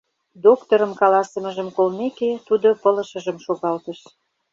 Доктырым каласымыжым колмеке, тудо пылышыжым шогалтыш.